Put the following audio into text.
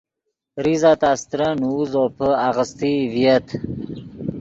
زیزہ تا استرن نوؤ زوپے آغیستئی ڤییت